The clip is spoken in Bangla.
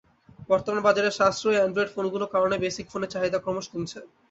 বর্তমানে বাজারে সাশ্রয়ী অ্যান্ড্রয়েড ফোনগুলো কারণে বেসিক ফোনের চাহিদা ক্রমশ কমছে।